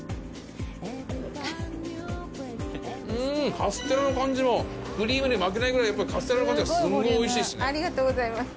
カステラの感じもクリームに負けないぐらいカステラの感じがすんごい美味しいですね。